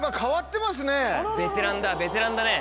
ベテランだベテランだね。